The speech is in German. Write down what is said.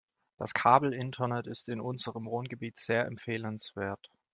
Das Kabelinternet ist in unserem Wohngebiet sehr empfehlenswert.